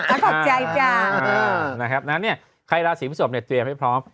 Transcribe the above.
ฉันขอบใจจ้าอ่านะครับแล้วเนี้ยใครลาสีพฤศพเนี้ยเตรียมให้พร้อม